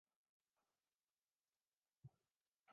کو جنگ کرنے کا حکم دیا